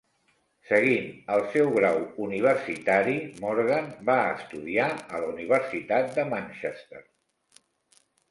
Seguint el seu grau universitari, Morgan va estudiar a la Universitat de Manchester.